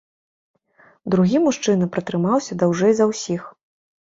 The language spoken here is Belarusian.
Другі мужчына пратрымаўся даўжэй за ўсіх.